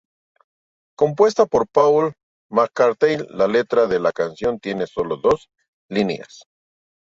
Compuesta por Paul McCartney, la letra de la canción tiene sólo dos líneas.